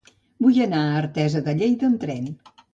Vull anar a Artesa de Lleida amb tren.